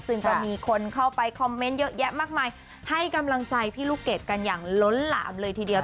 ซึ่งก็มีคนเข้าไปคอมเมนต์เยอะแยะมากมายให้กำลังใจพี่ลูกเกดกันอย่างล้นหลามเลยทีเดียว